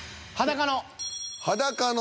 「裸の」。